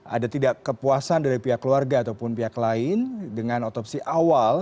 ada tidak kepuasan dari pihak keluarga ataupun pihak lain dengan otopsi awal